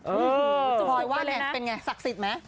เออจุดสุดไปเลยนะพลอยว่าเป็นไงศักดิ์สิทธิ์ไหม